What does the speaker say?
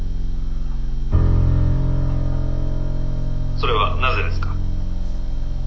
「それはなぜですか？」。